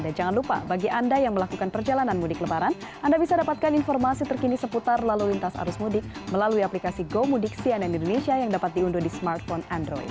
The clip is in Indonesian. dan jangan lupa bagi anda yang melakukan perjalanan mudik lebaran anda bisa dapatkan informasi terkini seputar lalu lintas arus mudik melalui aplikasi gomudik cnn indonesia yang dapat diunduh di smartphone android